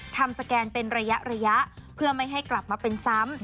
สแกนเป็นระยะเพื่อไม่ให้กลับมาเป็นซ้ำ